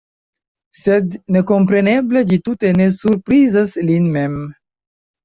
Sed, nekompreneble, ĝi tute ne surprizas lin mem.